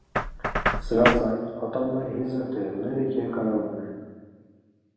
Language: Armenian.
Սրածայր, ատամնաեզր տերևները երկարավուն են։